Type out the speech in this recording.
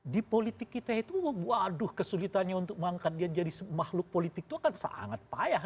di politik kita itu waduh kesulitannya untuk mengangkat dia jadi makhluk politik itu akan sangat payah